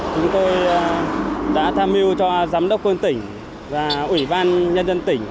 chúng tôi đã tham mưu cho giám đốc quân tỉnh và ủy ban nhân dân tỉnh